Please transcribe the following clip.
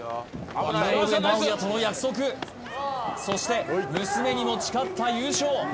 井上尚弥との約束そして娘にも誓った優勝